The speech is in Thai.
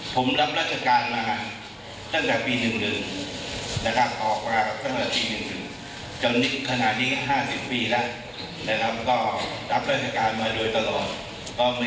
ถ้าประชาชนไม่ต้องการผมก็พร้อมที่จะไปจากตำแหน่งนี้นะครับ